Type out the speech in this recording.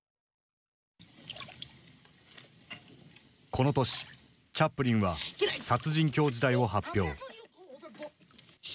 この年チャップリンは「殺人狂時代」を発表。